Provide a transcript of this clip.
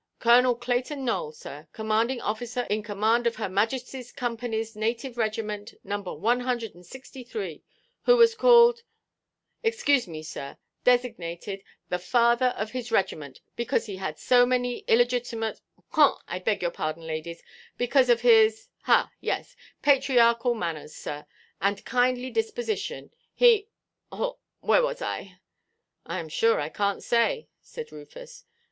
Colonel Clayton Nowell, sir, commanding officer in command of Her Majestyʼs Companyʼs native regiment, Nº· One hundred and sixty–three, who was called,—excuse me, sir, designated, the 'father of his regiment,' because he had so many illegitimate—haw, I beg your pardon, ladies—because of his—ha, yes,—patriarchal manners, sir, and kindly disposition,—he—haw, where was I?" "I am sure I canʼt say," said Rufus.